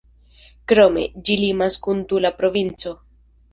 Krome, ĝi limas kun Tula provinco.